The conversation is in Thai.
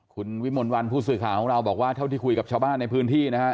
คุณวิมลวันผู้สื่อข่าวของเราบอกว่าเท่าที่คุยกับชาวบ้านในพื้นที่นะฮะ